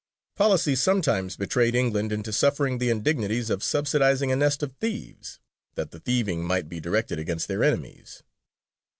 Policy sometimes betrayed England into suffering the indignities of subsidizing a nest of thieves, that the thieving might be directed against her enemies.